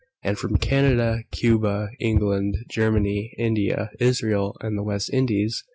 And from Canada, Cuba, England, Germany, India, Israel and the West Indies.